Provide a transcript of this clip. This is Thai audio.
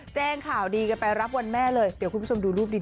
แจ้งข่าวดีกันไปรับวันแม่เลยเดี๋ยวคุณผู้ชมดูรูปดี